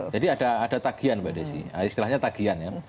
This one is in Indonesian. jadi ada tagian pak desi istilahnya tagian ya